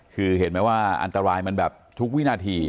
คือเห็นไหมว่าอันตรายมันแบบทุกวินาที